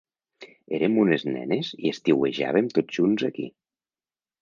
Érem unes nenes i estiuejàvem tots junts aquí.